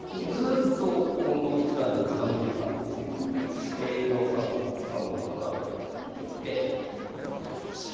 ずっと近藤七段に傾いてたんですけどもこの３五角辺りによって傾きました。